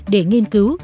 để nghiên cứu